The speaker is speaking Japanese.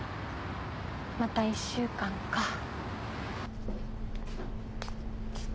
また１週間か。